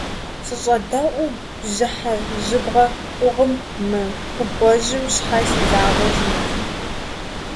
СыщӀэдэӀуу бжьыхьэ жьыбгъэ къугъым, мы губгъуэжьым щхьэ си закъуэу сит?